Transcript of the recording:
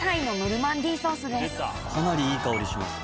かなりいい香りします。